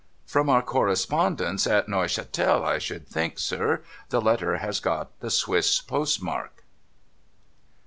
' From our correspondents at Neuchatel, I think, sir. The letter has got the Swiss postmark.'